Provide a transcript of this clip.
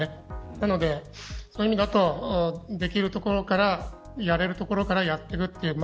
なので、そういう意味だとできるところからやれるところからやっていくという。